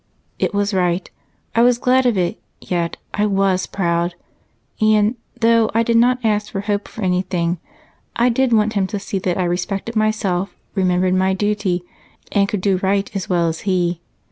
It was right I was glad of it, yet I was proud and, though I did not ask or hope for anything, I did want him to see that I respected myself, remembered my duty, and could do right as well as he.